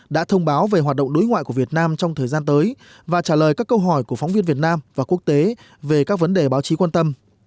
đã thông báo về hoạt động đối ngoại của việt nam trong thời gian tới và trả lời các câu hỏi của phóng viên việt nam và quốc tế về các vấn đề báo chí quan tâm